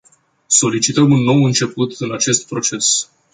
Solicităm un nou început în acest proces.